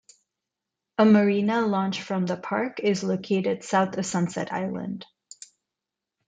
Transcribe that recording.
A marina launch from the park is located south of Sunset Island.